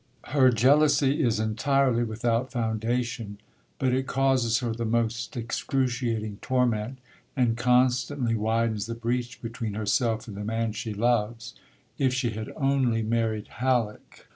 Her jealousy is entirely without foundation, but it causes her the most excruciating torment, and constantly widens the breach between herself and the man she loves. If she had only married Halleck!